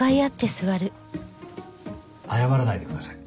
謝らないでください。